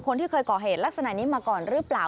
คนที่เคยก่อเหตุลักษณะนี้มาก่อนหรือเปล่า